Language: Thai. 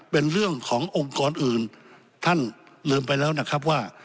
เป็นเรื่องขององค์กรอื่นท่านลืมไปแล้วนะครับว่า